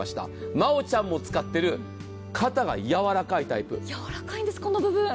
真央ちゃんも使っている、肩がやわらかいんです。